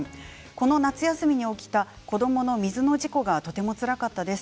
この夏休みに起きた子どもの水の事故がとてもつらかったです。